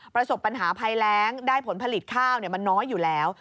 ประสบปัญหาภัยแรงได้ผลผลิตข้าวมันน้อยอยู่แล้ว